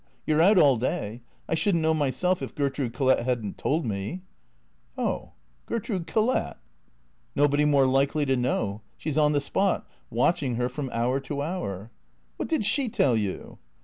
You 're out all day. I should n't know myself if Gertrude Collett had n't told me." " Oh — Gertrude Collett." " Nobody more likely to know. She 's on the spot, watching her from hour to hour." "What did she tell you?"